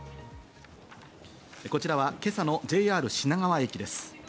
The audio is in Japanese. こちらは今朝のＪＲ品川駅です。